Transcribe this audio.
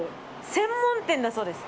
専門店だそうです。